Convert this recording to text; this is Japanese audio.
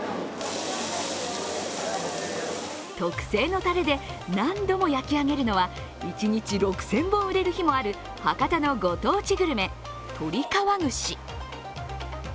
特製のたれで何度も焼き上げるのは一日６０００本売れることもある博多のご当地グルメ、とりかわ串。